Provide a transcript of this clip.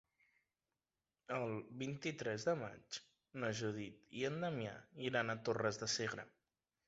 El vint-i-tres de maig na Judit i en Damià iran a Torres de Segre.